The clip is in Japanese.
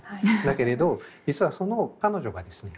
だけれど実はその彼女がですね